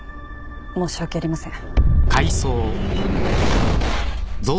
申し訳ありません。